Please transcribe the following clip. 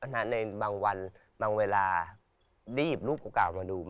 ในบางวันบางเวลาได้หยิบรูปของเขาออกมาดู